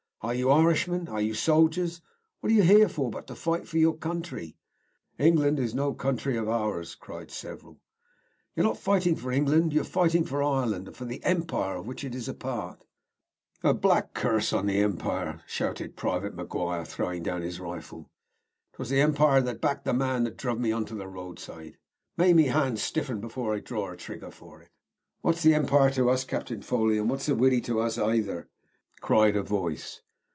"Are you Irishmen? Are you soldiers? What are you here for but to fight for your country?" "England is no country of ours," cried several. "You are not fighting for England. You are fighting for Ireland, and for the Empire of which it as part." "A black curse on the Impire!" shouted Private McQuire, throwing down his rifle. "'Twas the Impire that backed the man that druv me onto the roadside. May me hand stiffen before I draw trigger for it. "What's the Impire to us, Captain Foley, and what's the Widdy to us ayther?" cried a voice.